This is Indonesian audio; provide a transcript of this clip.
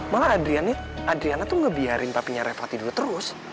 malah adriana tuh ngebiarin papinya reva tidur terus